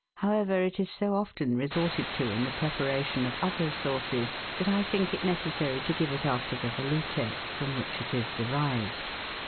However, it is so often resorted to in the preparation of other sauces that I think it necessary to give it after the Velout^s, from which it is derived.